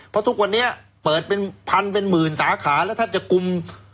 เพราะทุกวันนี้เปิดเป็นพันเป็นหมื่นสาขาแล้วแทบจะคุม